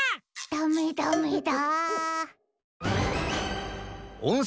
ダメダメだ。